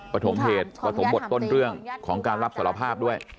ภัทรบทรงบทต้นเครื่องของรับสารภาพ